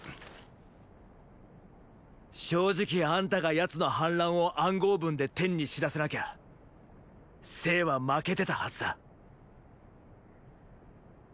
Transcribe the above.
正直あんたが奴の反乱を暗号文でテンに知らせなきゃ政は負けてたはずだ。